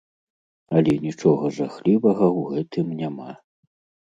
Але нічога жахлівага ў гэтым няма.